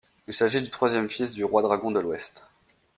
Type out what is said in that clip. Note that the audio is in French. Il s'agit du troisième fils du Roi-Dragon de l'Ouest.